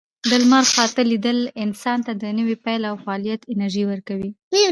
د لمر خاته لیدل انسان ته د نوي پیل او فعالیت انرژي ورکوي.